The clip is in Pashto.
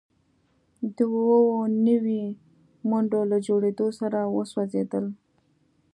د اووه نوي منډو له جوړیدو سره وسوځیدل